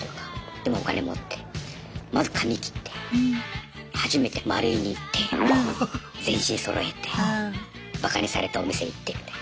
でもうお金持ってまず髪切って初めてマルイに行って全身そろえてバカにされたお店行ってみたいな。